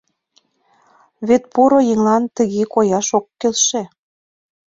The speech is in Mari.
Вет поро еҥлан тыге кояш ок келше.